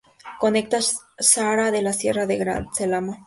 Conecta Zahara de la Sierra con Grazalema.